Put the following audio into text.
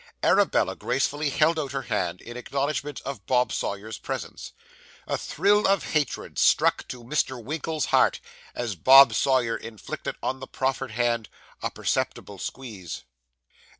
Arabella gracefully held out her hand, in acknowledgment of Bob Sawyer's presence. A thrill of hatred struck to Mr. Winkle's heart, as Bob Sawyer inflicted on the proffered hand a perceptible squeeze.